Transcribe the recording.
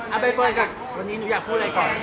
เอาไปเปิดกันวันนี้หนูอยากพูดอะไรก่อน